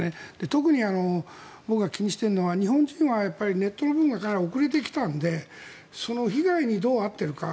特に僕が気にしているのは日本人はネットの部分がかなり遅れてきたのでその被害にどう遭っているか